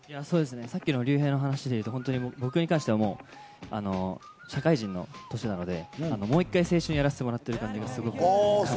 ＲＹＵＨＥＩの話で言うと、僕に関しては社会人の年なので、もう一回青春をやらせてもらっています。